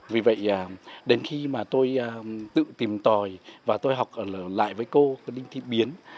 vì vậy đến khi mà tôi tự tìm tòi và tôi học ở lại với cô đinh thị biến